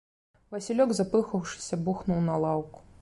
Васілёк, запыхаўшыся, бухнуў на лаўку.